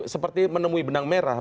seperti menemui benang merah